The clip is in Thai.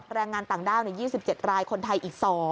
แรงงานต่างด้าว๒๗รายคนไทยอีก๒